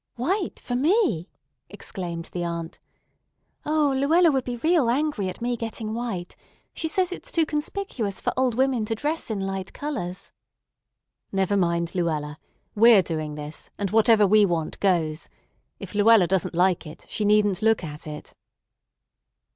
"White for me!" exclaimed the aunt. "O, Luella would be real angry at me getting white. She says it's too conspicuous for old women to dress in light colors." "Never mind Luella. We're doing this, and whatever we want goes. If Luella doesn't like it, she needn't look at it."